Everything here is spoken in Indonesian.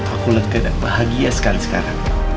aku lihat tidak bahagia sekali sekara